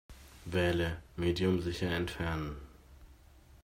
Wähle "Medium sicher entfernen".